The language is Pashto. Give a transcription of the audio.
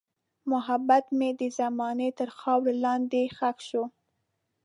محبت مې د زمان تر خاورې لاندې ښخ شو.